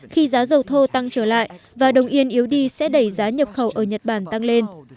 khi giá dầu thô tăng trở lại và đồng yên yếu đi sẽ đẩy giá nhập khẩu ở nhật bản tăng lên